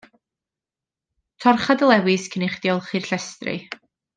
Torcha dy lewys cyn i chdi olchi'r llestri.